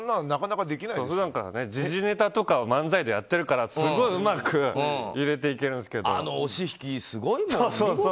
普段から時事ネタとかを漫才でやっているからすごいうまくあの押し引き、すごいもん。